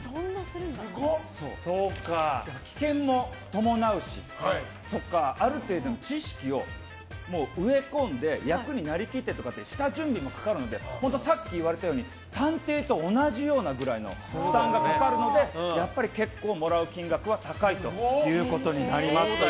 危険も伴うしある程度の知識を植え込んで役になりきってという下準備もかかるのでさっき言われたように探偵と同じぐらいの負担がかかるのでやっぱり結構もらう金額は高いということになります。